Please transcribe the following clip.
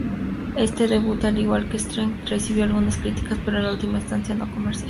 Este debut, al igual que"Strenght", recibió algunas críticas, pero en última instancia, no comercial.